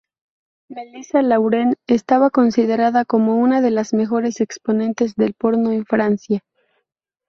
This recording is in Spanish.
Melissa Lauren estaba considerada como una de las mejores exponentes del porno en Francia.